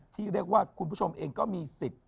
ที่เรียกว่าคุณผู้ชมเองก็มีสิทธิ์